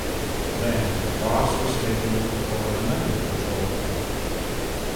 Then Voss was scheduled for another patrol.